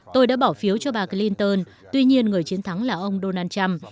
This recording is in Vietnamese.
tôi đã bỏ phiếu cho bà clinton tuy nhiên người chiến thắng là ông donald trump